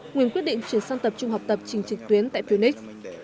nguyên quyết định chuyển sang tập trung học tập trình trực tuyến tại phunix